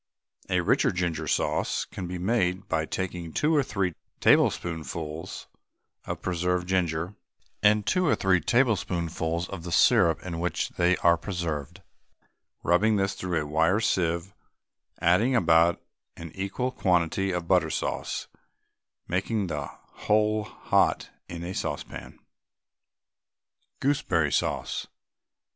A richer ginger sauce can be made by taking two or three tablespoonfuls of preserved ginger and two or three tablespoonfuls of the syrup in which they are preserved, rubbing this through a wire sieve, adding about an equal quantity of butter sauce, making the whole hot in a saucepan. GOOSEBERRY SAUCE.